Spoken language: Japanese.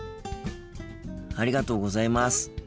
ありがとうございます。